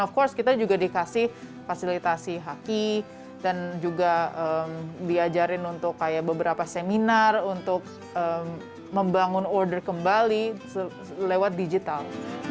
of course kita juga dikasih fasilitasi haki dan juga diajarin untuk kayak beberapa seminar untuk membangun order kembali lewat digital